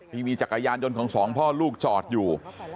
ที่มีจักรยานยนต์ของสองพ่อลูกจอดอยู่